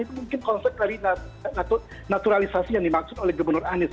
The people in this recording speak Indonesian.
itu mungkin konsep dari naturalisasi yang dimaksud oleh gubernur anies